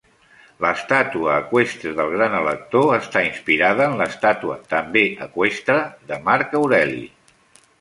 L'estàtua eqüestre del gran elector està inspirada en l'estàtua també eqüestre de Marc Aureli.